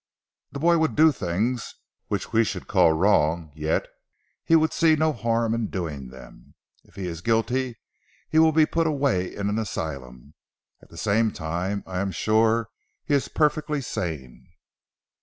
The boy would do things which we should call wrong, yet he would see no harm in doing them. If he is guilty, he will be put away in an asylum. At the same time I am sure he is perfectly sane."